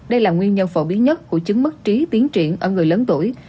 đây là nguyên nhân phổ biến nhất của chứng mức trí tiến triển ở người lớn tuổi